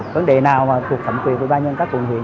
vấn đề nào mà thuộc thẩm quyền của ủy ban nhân cấp quận huyện